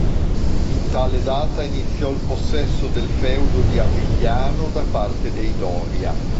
In tale data iniziò il possesso del feudo di Avigliano da parte dei Doria.